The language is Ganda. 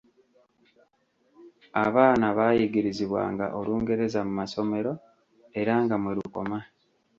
Abaana baayigirizibwanga Olungereza mu masomero, era nga mwe lukoma.